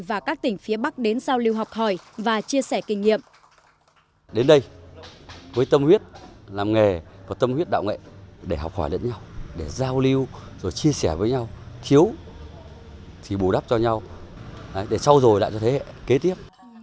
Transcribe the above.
và các tỉnh phía bắc đến giao lưu học hỏi và chia sẻ kinh nghiệm